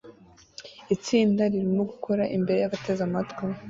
Itsinda ririmo gukora imbere yabateze amatwi